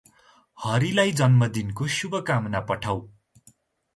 हरि लाई जन्मदिनको शुभकामना पठाऊ ।